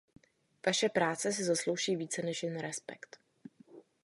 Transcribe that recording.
Vaše práce si zaslouží více než jen respekt.